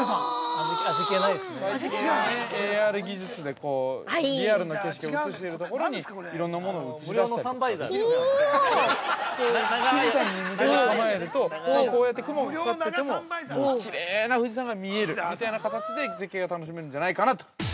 最近は、ＡＲ技術でリアルな景色を映しているところに、いろんなものを映し出したりとかができるようになっているので富士山に向けて構えるとこうやって雲がかかっていてもきれいな富士山が見えるみたいな形で絶景が楽しめるんじゃないかなと。